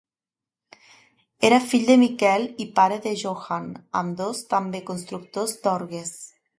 Era fill de Michael i pare de Johann ambdós també constructors d'orgues.